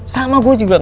sama gua juga ga mau oke